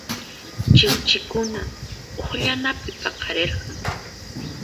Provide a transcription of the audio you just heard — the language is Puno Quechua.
Chiwchiykuna uqllanapi paqarirqan.